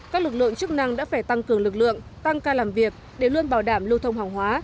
các lực lượng chức năng đã phải tăng cường lực lượng tăng ca làm việc để luôn bảo đảm lưu thông hàng hóa